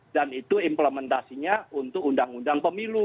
dan itu implementasinya untuk undang undang pemilu